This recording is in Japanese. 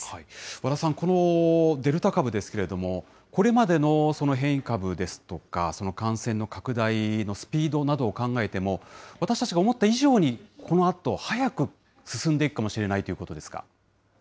和田さん、このデルタ株ですけど、これまでの変異株ですとか、感染の拡大のスピードなどを考えても、私たちが思った以上に、このあと早く進んでいくかもしれないということですか。